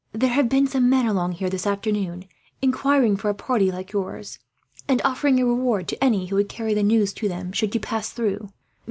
There have been some men along here this afternoon, inquiring for a party like yours; and offering a reward to any who would carry the news to them, should you pass through.